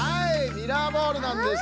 ミラーボールなんです。